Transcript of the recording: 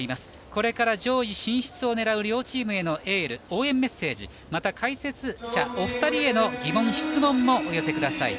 これから上位進出をねらう両チームへのエール応援メッセージまた解説者お二人への疑問質問もお寄せください。